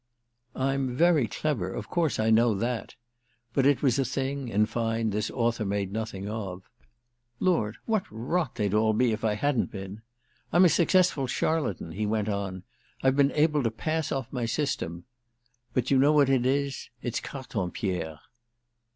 "I'm very clever, of course I know that"—but it was a thing, in fine, this author made nothing of. "Lord, what rot they'd all be if I hadn't been I'm a successful charlatan," he went on—"I've been able to pass off my system. But do you know what it is? It's cartonpierre."